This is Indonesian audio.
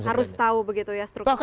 harus tahu begitu ya strukturnya